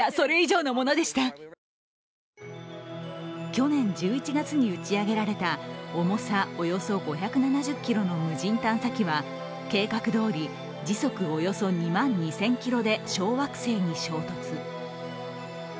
去年１１月に打ち上げられた重さおよそ５７０ｋｇの無人探査機は、計画どおり時速およそ２万２０００キロで小惑星に衝突。